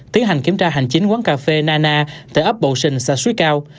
tiến hành kiểm tra hành chính quán cà phê nana tại ấp bầu sình xã xuối cao